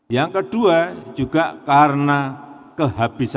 yang kedua juga karena kehabisan